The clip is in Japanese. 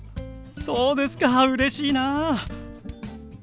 そうですかうれしいな。